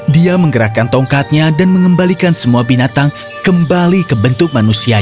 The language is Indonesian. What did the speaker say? dia menggerakkan tongkatnya dan mengembalikan semua binatang kembali ke bentuk manusia